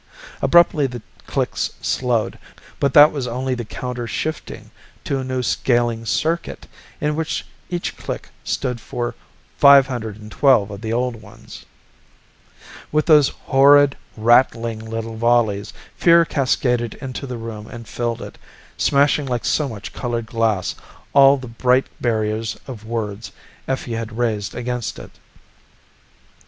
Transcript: Abruptly the clicks slowed, but that was only the counter shifting to a new scaling circuit, in which each click stood for 512 of the old ones. With those horrid, rattling little volleys, fear cascaded into the room and filled it, smashing like so much colored glass all the bright barriers of words Effie had raised against it.